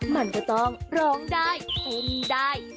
มันก็ต้องร้องได้เต้นได้